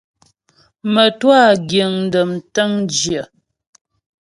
Mə́twâ giŋ dəm tə̂ŋjyə.